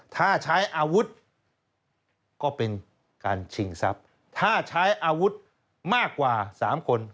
ถ้าใช้อาวุธก็เป็นการชิงทรัพย์ถ้าใช้อาวุธมากกว่า๓คน